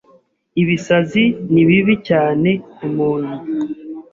Ibisazi ni bibi cyane ku muntu